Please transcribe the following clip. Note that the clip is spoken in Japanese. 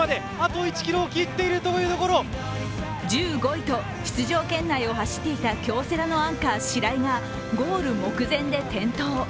１５位と出場圏内を走っていた京セラのアンカー・白井がゴール目前で転倒。